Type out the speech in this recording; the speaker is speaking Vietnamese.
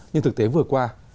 như thực tế vừa qua